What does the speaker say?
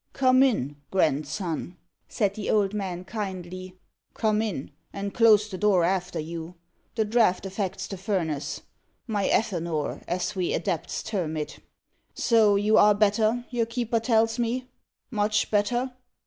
"Come in, grandson," said the old man kindly. "Come in, and close the door after you. The draught affects the furnace my Athanor, as we adepts term it. So you are better, your keeper tells me much better."